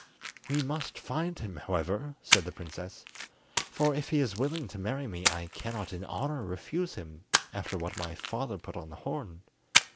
"We must find him, however," said the princess; "for if he is willing to marry me I cannot in honour refuse him, after what my father put on the horn."